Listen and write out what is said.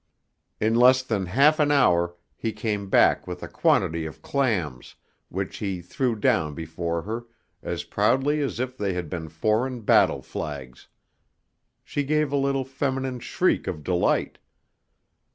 In less than half an hour he came back with a quantity of clams which he threw down before her as proudly as if they had been foreign battle flags. She gave a little feminine shriek of delight.